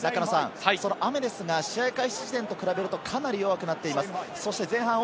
雨は試合開始時点と比べるとかなり弱くなっています。